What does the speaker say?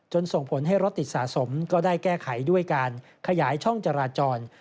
ส่งผลให้รถติดสะสมก็ได้แก้ไขด้วยการขยายช่องจราจร